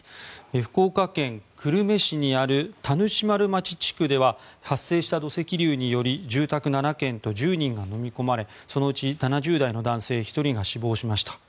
福岡県久留米市にある田主丸町地区では発生した土石流により住宅７軒と１０人がのみ込まれそのうち７０代の男性１人が死亡しました。